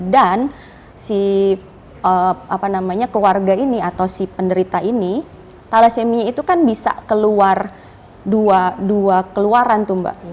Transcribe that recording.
dan si keluarga ini atau si penderita ini thalassemia itu kan bisa keluar dua keluaran tuh mbak